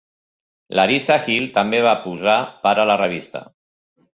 L'Arissa Hill també va posar per a la revista.